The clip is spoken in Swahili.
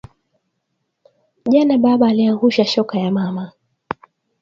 Jana baba ariangusha shoka ya mama